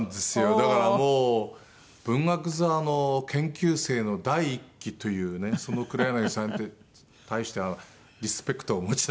だからもう文学座の研究生の第１期というねその黒柳さんに対してリスペクトを持ちながらもう。